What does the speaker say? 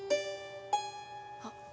あっ！